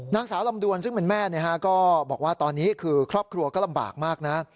นางสาวลำดวนซึ่งเป็นแม่ก็บอกว่าตอนนี้คือครอบครัวก็ลำบากมากนะ